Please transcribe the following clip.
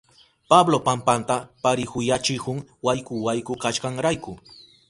Pablo pampanta parihuyachihun wayku wayku kashkanrayku.